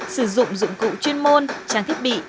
sử dụng dụng cụ chuyên môn trang thiết bị